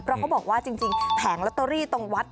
เพราะเขาบอกว่าจริงแผงลอตเตอรี่ตรงวัด